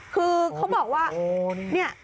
คือเขาบอกว่า